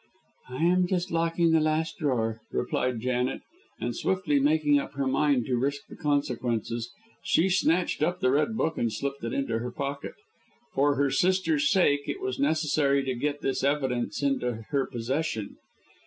"I am just locking the last drawer," replied Janet, and, swiftly making up her mind to risk the consequences, she snatched up the red book and slipped it into her pocket. For her sister's sake it was necessary to get this evidence into her possession.